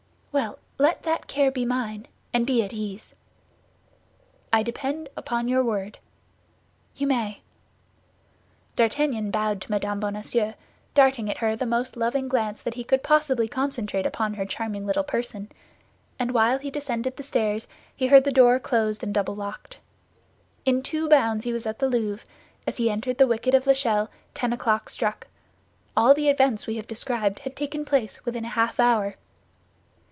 "Well, let that care be mine, and be at ease." "I depend upon your word." "You may." D'Artagnan bowed to Mme. Bonacieux, darting at her the most loving glance that he could possibly concentrate upon her charming little person; and while he descended the stairs, he heard the door closed and double locked. In two bounds he was at the Louvre; as he entered the wicket of L'Echelle, ten o'clock struck. All the events we have described had taken place within a half hour.